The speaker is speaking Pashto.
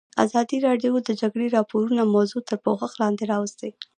ازادي راډیو د د جګړې راپورونه موضوع تر پوښښ لاندې راوستې.